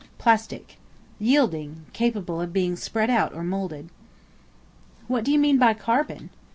] Plastic, yielding, capable of being spread out or moulded. What do you mean by Carbon?